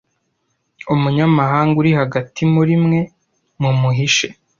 umunyamahanga uri hagati muri mwe mumuhishe